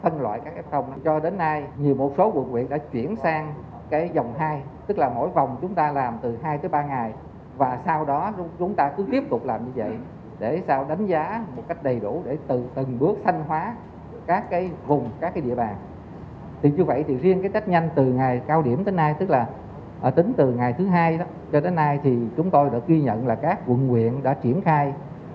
ngày thứ hai đó cho đến nay thì chúng tôi đã ghi nhận là các quận nguyện đã triển khai